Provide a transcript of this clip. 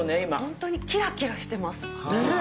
本当にキラキラしてます。ねぇ！